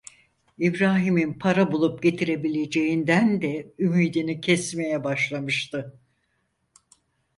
İbrahim'in para bulup getirebileceğinden de ümidini kesmeye başlamıştı.